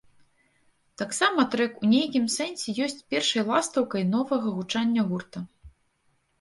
Таксама трэк у нейкім сэнсе ёсць першай ластаўкай новага гучання гурта.